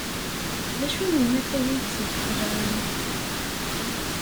D acu n unafag ayseg qelɛen?